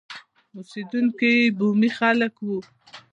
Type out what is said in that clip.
اوسېدونکي یې بومي خلک وو.